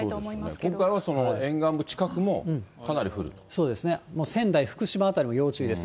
今回はその沿岸部近くもかなそうですね、仙台、福島辺りも要注意ですね。